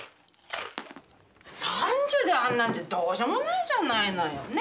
３０であんなんじゃどうしょもないじゃないのよ。